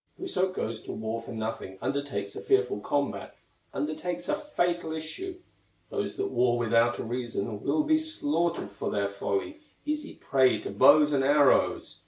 Whoso goes to war for nothing, Undertakes a fearful combat, Undertakes a fatal issue; Those that war without a reason Will be slaughtered for their folly, Easy prey to bows and arrows.